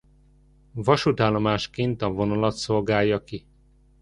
Vasútállomásként a vonalat szolgálja ki.